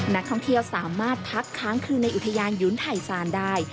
นักท่องเที่ยวสามารถพักค้างคืนในอุทยานยุนไทยซานได้